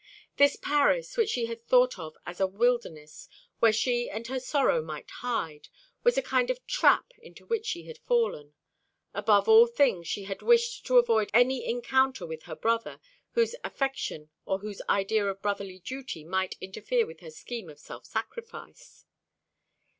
This Paris, which she had thought of as a wilderness where she and her sorrow might hide, was a kind of trap into which she had fallen. Above all things she had wished to avoid any encounter with her brother, whose affection or whose idea of brotherly duty might interfere with her scheme of self sacrifice.